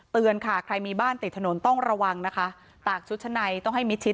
เตือนค่ะใครมีบ้านติดถนนต้องระวังนะคะตากชุดชั้นในต้องให้มิดชิด